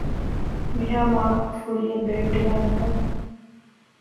މިހާ މޮޅަށް ފުޅިއެއް ބެހެއްޓިދާނެތަ؟